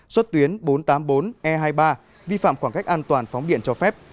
xuất tuyến bốn trăm tám mươi bốn e hai mươi ba vi phạm khoảng cách an toàn phóng điện cho phép